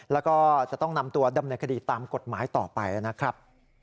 แล้วก็จะต้องนำตัวดำเนินคดีตามกฎหมายต่อไปนะครับ